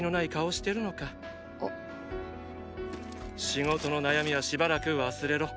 仕事の悩みはしばらく忘れろ。